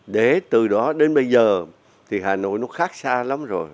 để từ đó đến bây giờ thì hà nội nó khác xa lắm rồi